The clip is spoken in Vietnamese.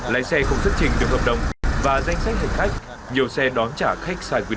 lái xe không xuất trình được hợp đồng và danh sách hành khách nhiều xe đón trả khách sai quy định